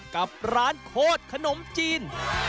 กับร้านโคตรขนมจีน